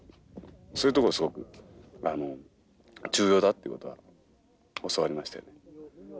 そういうとこすごく重要だということは教わりましたよね。